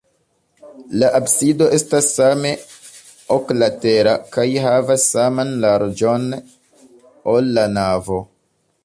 La absido estas same oklatera kaj havas saman larĝon, ol la navo.